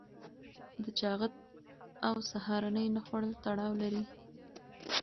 د چاغښت او سهارنۍ نه خوړل تړاو لري.